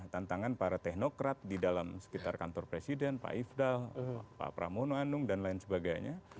tantangan para teknokrat di dalam sekitar kantor presiden pak ifdal pak pramono anung dan lain sebagainya